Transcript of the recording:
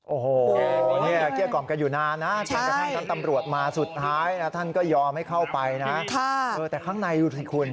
โอ้โหเนี่ยเกลี้ยกล่อมกันอยู่นานนะจนกระทั่งท่านตำรวจมาสุดท้ายนะท่านก็ยอมให้เข้าไปนะแต่ข้างในดูสิคุณ